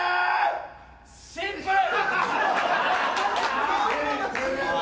シンプル。